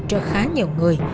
cho khá nhiều người